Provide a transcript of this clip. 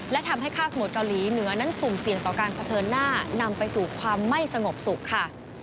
และทำให้ข้าวสมุทรเกาหลีเหนือนั้นสุ่มเสี่ยงต่อการเผชิญหน้านำไปสู่ความไม่สงบสุขค่ะ